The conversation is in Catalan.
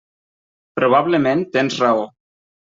Probablement tens raó.